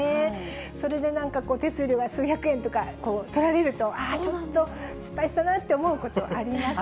それでなんか、手数料が数百円とかとられると、ああ、ちょっと失敗したなって思うこと、ありますよね。